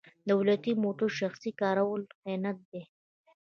دولتي موټر شخصي کارول خیانت دی.